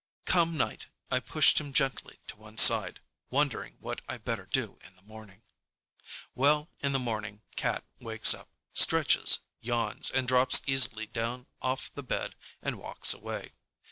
Come night, I pushed him gently to one side, wondering what I better do in the morning. Well, in the morning Cat wakes up, stretches, yawns, and drops easily down off the bed and walks away.